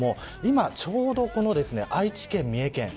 今ちょうど愛知県三重県